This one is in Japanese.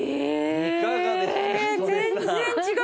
いかがですか？